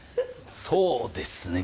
そうですね